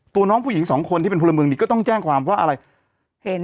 น้องผู้หญิงสองคนที่เป็นพลเมืองดีก็ต้องแจ้งความเพราะอะไรเห็น